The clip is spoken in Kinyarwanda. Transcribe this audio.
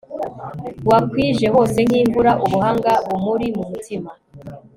wakwije hose nk'imvura ubuhanga bumuri mu mutima